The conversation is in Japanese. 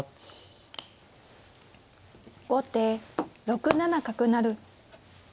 後手６七角成。